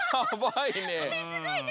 すごいね。